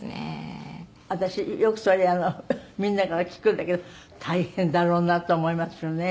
私よくそれみんなから聞くんだけど大変だろうなと思いますよね。